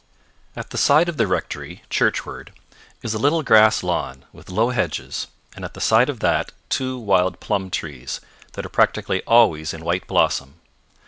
At the side of the rectory, churchward, is a little grass lawn with low hedges and at the side of that two wild plum trees, that are practically always in white blossom.